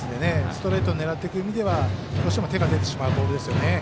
ストレート狙っていく意味ではどうしても手が出てしまうボールですね。